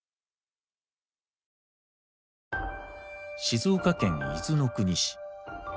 静岡県伊豆の国市。